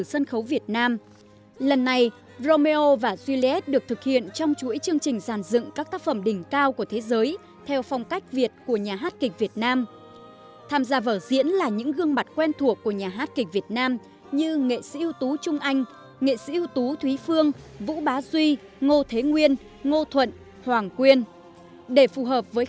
sân khấu của việt nam hãy đăng ký kênh để ủng hộ kênh của chúng mình nhé cảm ơn các bạn đã theo dõi và hẹn gặp lại